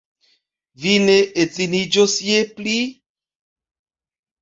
Vi ne edziniĝos je li?